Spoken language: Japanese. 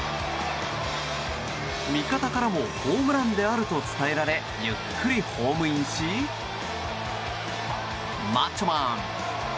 味方からもホームランであると伝えられゆっくりホームインしマッチョマン！